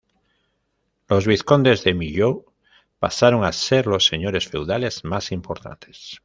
Los vizcondes de Millau pasaron a ser los señores feudales más importantes.